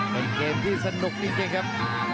เป็นเกมที่สนุกหนิเย้ครับ